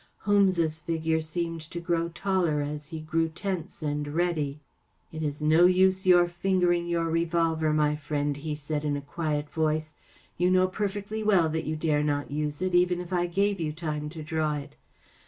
Holmes's figure seemed to grow taller as he grew tense and ready. “ It is no use your fingering your revolver, my friend," he said, in a quiet voice. *' You know perfectly well that you dare not use it, even if I gave you time to draw it.